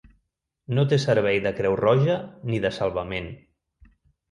No té servei de creu roja ni de salvament.